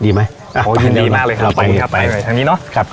เยี่ยมมากเลยครับไปเลยครับเรากลับไปจากนี้เนอะครับ